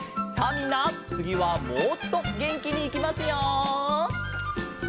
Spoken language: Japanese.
みんなつぎはもっとげんきにいきますよ。